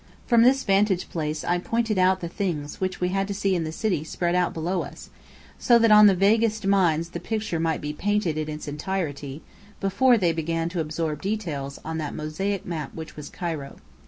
From this vantage place I pointed out the things we had to see in the city spread out below us, so that on the vaguest minds the picture might be painted in its entirety, before they began to absorb details on that mosaic map which was Cairo.